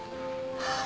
ああ。